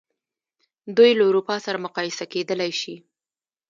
دوی له اروپا سره مقایسه کېدلای شي.